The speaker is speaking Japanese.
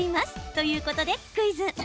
と、いうことでクイズ。